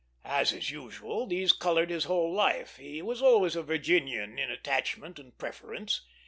As is usual, these colored his whole life; he was always a Virginian in attachment and preference.